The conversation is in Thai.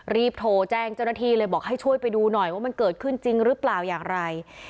รีบโทรแจ้งเจ้าหน้าที่เลยบอกให้ช่วยไปดูหน่อยว่ามันเกิดขึ้นจริงหรือเปล่าอย่างไร